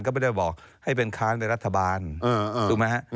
ก็ไม่ได้บอกให้เป็นค้างในรัฐบาลถูกไหมฮะ